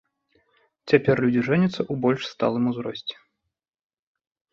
Цяпер людзі жэняцца ў больш сталым узросце.